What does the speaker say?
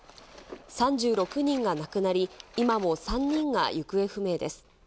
３６人が亡くなり、今も３人が行方不明です。